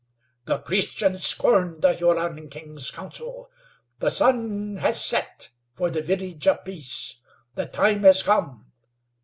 The Christians scorned the Huron King's counsel. The sun has set for the Village of Peace. The time has come.